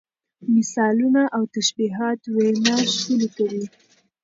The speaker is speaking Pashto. مثالونه او تشبیهات وینا ښکلې کوي.